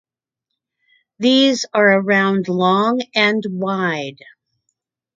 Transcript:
These are around long and wide.